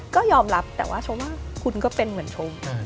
ก็ยอมรับแต่ว่าชมว่าคุณก็เป็นเหมือนชม